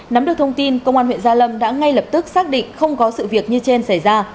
nắm được thông tin công an huyện gia lâm đã ngay lập tức xác định không có sự việc như trên xảy ra